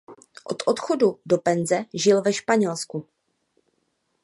Od odchodu do penze žil ve Španělsku.